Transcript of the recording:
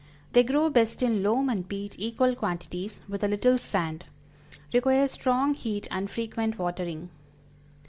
They grow best in loam and peat equal quantities, with a little sand. Require strong heat and frequent watering.